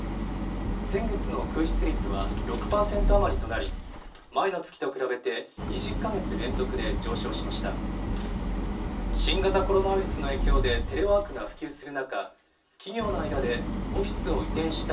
先月の空室率は６％余りとなり前の月と比べて２０か月連続で上昇しました。